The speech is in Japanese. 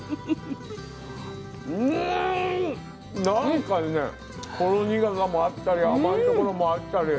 うんなんかねほろ苦さもあったり甘いところもあったり。